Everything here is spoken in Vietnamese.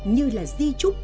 như là di trúc